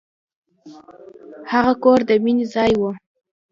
هغه کور د مینې ځای و.